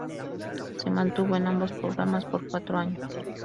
Se mantuvo en ambos programas por cuatro años.